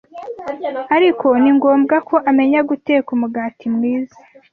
ariko ni ngombwa ko amenya guteka umugati mwiza